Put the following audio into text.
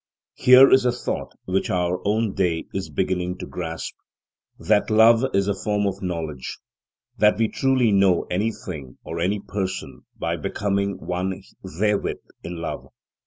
Here is a thought which our own day is beginning to grasp: that love is a form of knowledge; that we truly know any thing or any person, by becoming one therewith, in love.